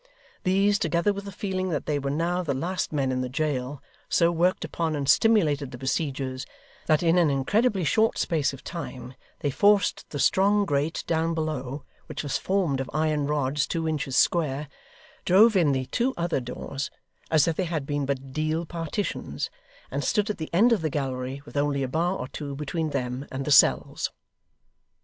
These, together with the feeling that they were now the last men in the jail, so worked upon and stimulated the besiegers, that in an incredibly short space of time they forced the strong grate down below, which was formed of iron rods two inches square, drove in the two other doors, as if they had been but deal partitions, and stood at the end of the gallery with only a bar or two between them and the cells.